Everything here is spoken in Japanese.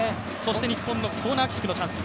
日本のコーナーキックのチャンス。